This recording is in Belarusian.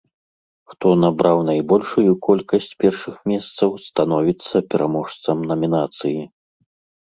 Хто набраў найбольшую колькасць першых месцаў становіцца пераможцам намінацыі.